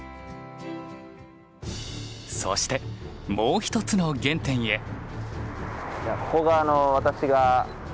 そしてもう一つの原点へ。